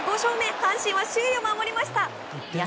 阪神は首位を守りました。